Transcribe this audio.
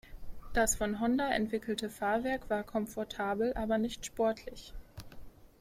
Das von Honda entwickelte Fahrwerk war komfortabel, aber nicht sportlich.